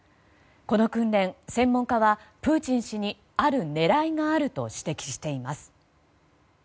この訓練、専門家はプーチン氏にある狙いがあると指摘しています。